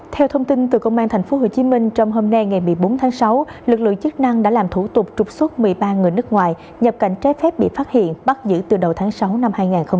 theo thông tin từ công an tp hcm trong hôm nay ngày một mươi bốn tháng sáu lực lượng chức năng đã làm thủ tục trục xuất một mươi ba người nước ngoài nhập cảnh trái phép bị phát hiện bắt giữ từ đầu tháng sáu năm hai nghìn hai mươi ba